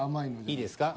いいですか？